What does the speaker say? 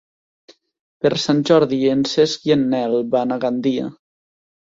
Per Sant Jordi en Cesc i en Nel van a Gandia.